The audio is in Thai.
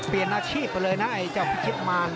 เปลี่ยนอาชีพไปเลยนะไอ้เจ้าพิชิตมา